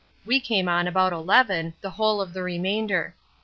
We came on about 11, the whole of the remainder.